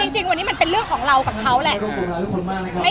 จริงวันนี้มันเป็นเรื่องของเรากับเขาแหละ